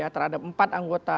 terhadap empat anggota